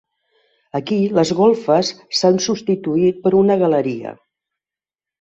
Aquí les golfes s'han substituït per una galeria.